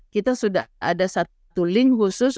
kita sudah ada satu link khusus